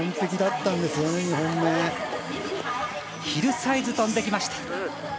ヒルサイズ飛んできました。